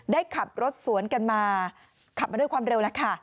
ได้ขับรถสวนกันมาขับมาด้วยความเร็วแล้วค่ะ